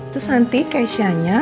terus nanti keishanya